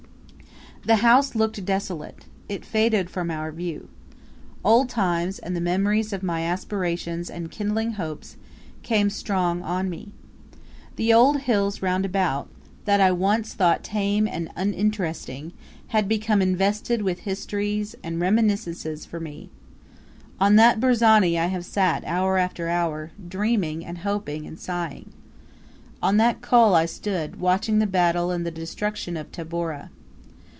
The house looked desolate it faded from our view. Old times, and the memories of my aspirations and kindling hopes, came strong on me. The old hills round about, that I once thought tame and uninteresting, had become invested with histories and reminiscences for me. On that burzani I have sat hour after hour, dreaming, and hoping, and sighing. On that col I stood, watching the battle and the destruction of Tabora.